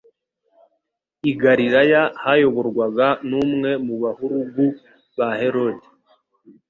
I Galilaya hayoborwaga n'umwe mu bahurugu ba Herode,